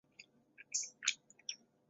铃鹿赛道是铃鹿市的著名标志之一。